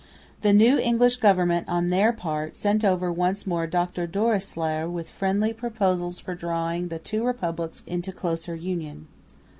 The new English Government on their part sent over once more Dr Doreslaer with friendly proposals for drawing the two republics into closer union.